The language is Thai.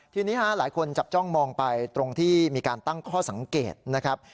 ทีนี้หลายคนจับจ้องมองไปตรงที่มีการตั้งข้อสังเกตนะครับ